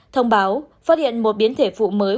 thông báo phát hiện một biến thể vụ mới